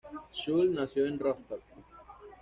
Schulz nació en Rostock.